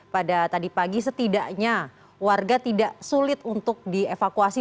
pada tadi pagi setidaknya warga tidak sulit untuk dievakuasi